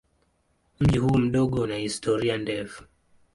Mji huu mdogo una historia ndefu.